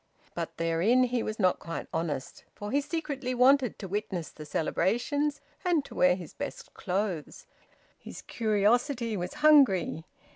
But therein he was not quite honest. For he secretly wanted to witness the celebrations and to wear his best clothes. His curiosity was hungry.